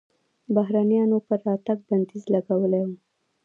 بهرنیانو پر راتګ بندیز لګولی و.